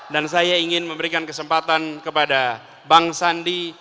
saya ingin memberikan kesempatan kepada bang sandi